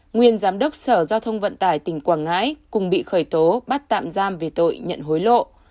nguyên giám đốc sở giao thông vận tải tỉnh quảng ngãi cùng bị khởi tố bắt tạm giam về tội nhận hối lộ